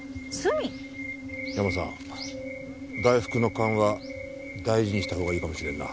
ヤマさん大福の勘は大事にしたほうがいいかもしれんな。